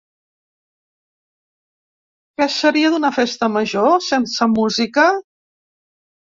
Què seria d’una festa major sense música?